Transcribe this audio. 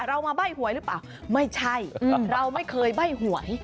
เรามาใบ้หวยหรือเปล่าไม่ใช่เราไม่เคยใบ้หวย